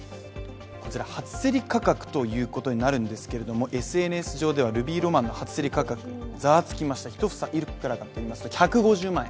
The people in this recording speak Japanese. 初競り価格ということになるんですけど、ＳＮＳ上では、ルビーロマンの初競り価格、ざわつきました、１房いくらかといいますと１５０万円。